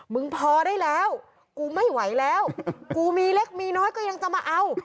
มึงพอได้แล้วกูไม่ไหวแล้วกูมีเล็กมีน้อยก็ยังจะมาเอา